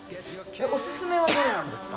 おすすめはどれなんですか？